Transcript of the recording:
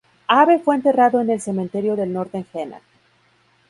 Abbe fue enterrado en el Cementerio del Norte en Jena.